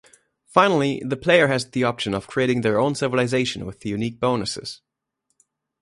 Finally, the player has the option of creating their own civilization with unique bonuses.